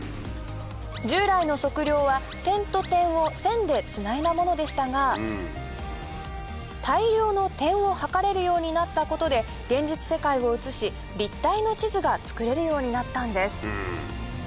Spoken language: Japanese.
従来の測量は点と点を線でつないだものでしたが大量の点を測れるようになったことで現実世界をうつし立体の地図が作れるようになったんです